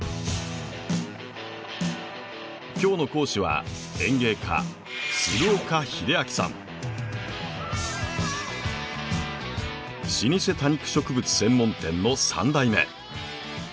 今日の講師は老舗多肉植物専門店の３代目。